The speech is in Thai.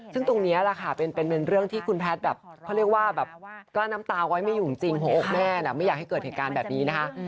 ซึ่งตรงนี้แหละค่ะเป็นเรื่องที่คุณแพทย์แบบเขาเรียกว่าแบบกลั้นน้ำตาไว้ไม่อยู่จริงหัวอกแม่น่ะไม่อยากให้เกิดเหตุการณ์แบบนี้นะคะ